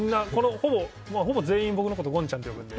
ほぼ全員みんな、僕のことゴンちゃんって呼ぶので。